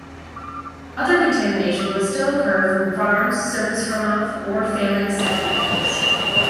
Other contamination would still occur from farms, surface runoff, or failing septic tanks.